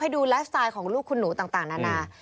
ดูไลฟ์สไตล์ของลูกคุณหนูต่างนานา